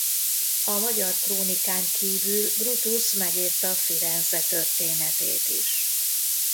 A magyar krónikán kívül Brutus megírta Firenze történetét is.